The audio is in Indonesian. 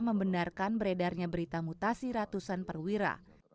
membenarkan beredarnya berita mutasi ratusan perwira